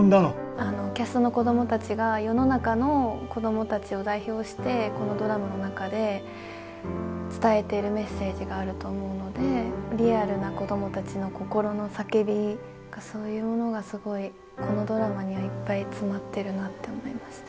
あのキャストの子どもたちが世の中の子どもたちを代表してこのドラマの中で伝えてるメッセージがあると思うのでリアルな子どもたちの心の叫びがそういうものがすごいこのドラマにはいっぱい詰まってるなって思いました。